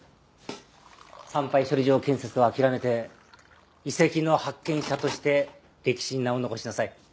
産廃処理場建設は諦めて遺跡の発見者として歴史に名を残しなさい。